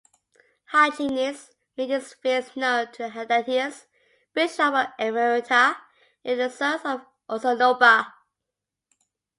Hyginus made his fears known to Hydatius, Bishop of Emerita, and Ithacius of Ossonoba.